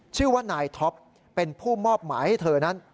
ชื่อว่านายท็อปเป็นผู้มอบหมายให้เธอนั้น